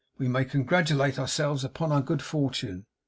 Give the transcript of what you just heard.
We may congratulate ourselves upon our good fortune.